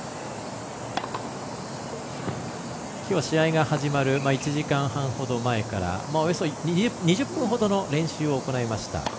きょうは試合が始まる１時間半ほど前からおよそ２０分ほどの練習を行いました。